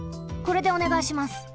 これでおねがいします。